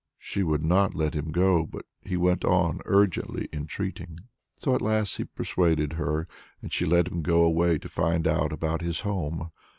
She would not let him go, but he went on urgently entreating. So at last he persuaded her, and she let him go away to find out about his home.